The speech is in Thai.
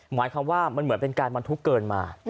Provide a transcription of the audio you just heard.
หมายความว่ามันเหมือนเป็นการบรรทุกเกินมา